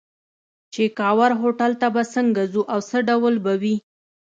چې کاوور هوټل ته به څنګه ځو او څه ډول به وي.